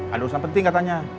ada urusan penting katanya